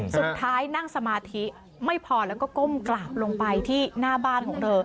นั่งสมาธิไม่พอแล้วก็ก้มกราบลงไปที่หน้าบ้านของเธอ